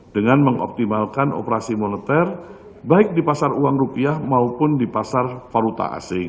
dengan mengoptimalkan operasi moneter baik di pasar uang rupiah maupun di pasar faruta asing